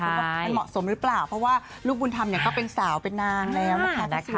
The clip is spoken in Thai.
ว่ามันเหมาะสมหรือเปล่าเพราะว่าลูกบุญธรรมเนี่ยก็เป็นสาวเป็นนางแล้วนะคะ